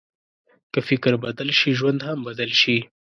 که فکر بدل شي، ژوند هم بدل شي.